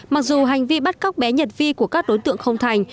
mặc dù hành vi bắt cóc bé nhật vi của các đối tượng không thành